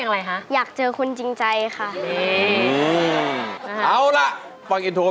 ยังไม่ต้องวิเคราะห์หน้าน้อยน่าขอวิเคราะห์หน้าอากงก่อนนะครับ